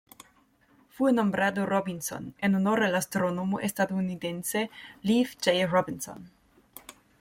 Fue nombrado Robinson en honor al astrónomo estadounidense Leif J. Robinson.